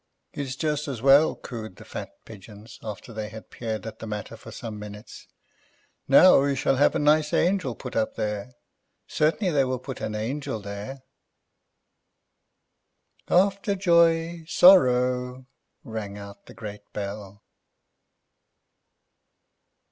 "It is just as well," cooed the fat pigeons, after they had peered at the matter for some minutes; "now we shall have a nice angel put up there. Certainly they will put an angel there." "After joy ... sorrow," rang out the great bell.